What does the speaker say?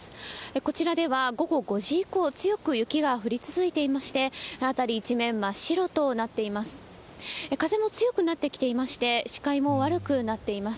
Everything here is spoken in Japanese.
こちらでは午後５時以降、強く雪が降り続いていまして、辺り一面真っ白となっています。